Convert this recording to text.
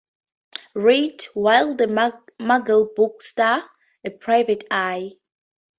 Reed, while the McGirr books star a private eye.